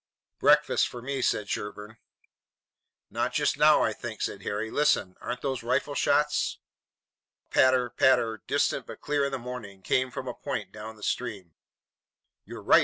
"Breakfast for me," said Sherburne. "Not just now, I think," said Harry. "Listen! Aren't those rifle shots?" A patter, patter, distant but clear in the morning, came from a point down the stream. "You're right!"